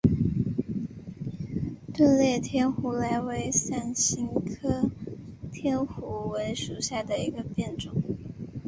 钝裂天胡荽为伞形科天胡荽属下的一个变种。